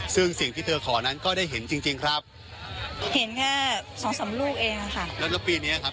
ซึ่งสิ่งที่เธอขอนั้นก็ได้เห็นจริงจริงครับเห็นแค่สองสามลูกเองอ่ะค่ะแล้วแล้วปีเนี้ยครับ